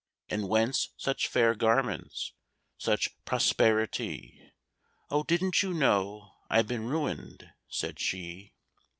And whence such fair garments, such prosperi ty?"— "O didn't you know I'd been ruined?" said she.